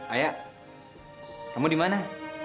ayah kamu dimana